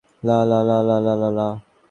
আমি পেছনে আসছি।